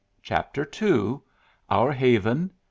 CHAPTER II. OUR HAVEN.